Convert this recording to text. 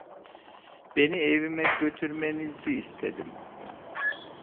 Beni evime götürmenizi istedim…